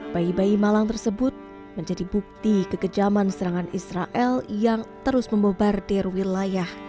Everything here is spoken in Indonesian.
bayi bayi malang tersebut menjadi bukti kekejaman serangan israel yang terus membobardir wilayah